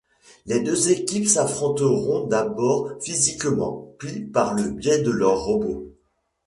Les deux équipes s'affronteront d'abord physiquement, puis par le biais de leurs robots.